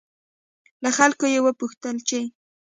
له خلکو یې وغوښتل چې